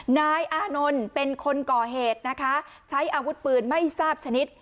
นายอานนท์เป็นคนก่อเหตุนะคะใช้อาวุธปืนไม่ทราบชนิด